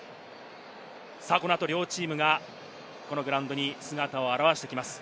このあと両チームがこのグラウンドに姿を現してきます。